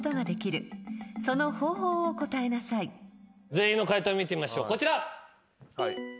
全員の解答見てみましょうこちら。